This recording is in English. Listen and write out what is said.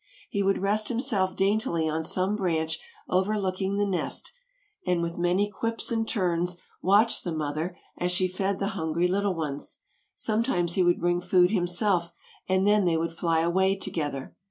He would rest himself daintily on some branch overlooking the nest, and with many quips and turns watch the mother as she fed the hungry little ones. Sometimes he would bring food himself and then they would fly away together.